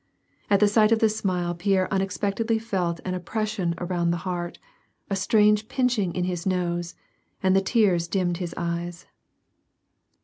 At the sight of this smile, Pierre unexpectedly felt an oppression around the heart, a strange pinching in his nose, and the tears dimmed his eyes.